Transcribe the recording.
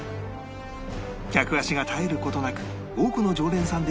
客足が絶える事なく多くの常連さんでにぎわう